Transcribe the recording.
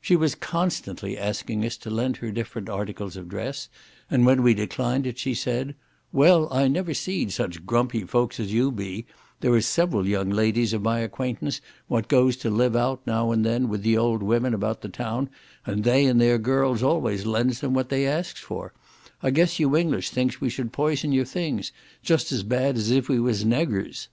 She was constantly asking us to lend her different articles of dress, and when we declined it, she said, "Well, I never seed such grumpy folks as you be; there is several young ladies of my acquaintance what goes to live out now and then with the old women about the town, and they and their gurls always lends them what they asks for; I guess you Inglish thinks we should poison your things, just as bad as if we was Negurs."